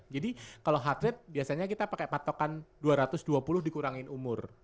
jadi kalau heart rate biasanya kita pakai patokan dua ratus dua puluh dikurangin umur